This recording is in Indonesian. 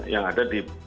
yang ada di